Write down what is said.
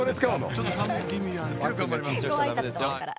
ちょっとかみ気味なんですけど頑張ります。